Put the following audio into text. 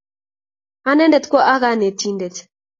Anendet ko a kanetindet.